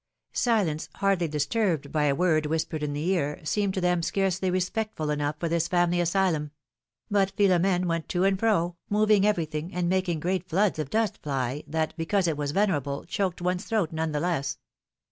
Silence, hardly disturbed by a word whispered in the ear, seeineci to them scarcely respectful enough for this family asylum; but Philomene went to and fro, moving every thing, and making great floods of dust fly, that, because it was venerable, choked one^s throat none the less.